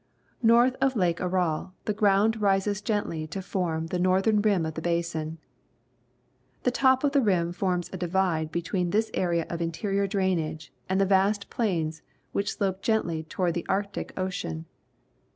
North of Lake Aral the ground rises gently to form the northern rim of the basin. The top of the rim forms a divide between this area of interior drainage and the vast plains which slope gently toward the Arctic Ocean.